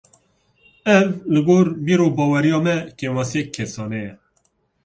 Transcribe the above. Ev li gor bîr û baweriya me, kêmasiyek kesane ye